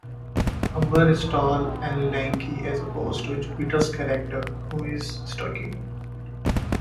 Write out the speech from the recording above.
Umber is tall and lanky as opposed to Jupiter's character, who is stocky.